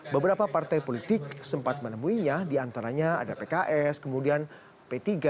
beberapa partai politik sempat menemuinya diantaranya ada pks kemudian p tiga